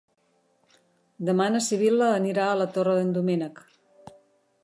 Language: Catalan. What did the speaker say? Demà na Sibil·la anirà a la Torre d'en Doménec.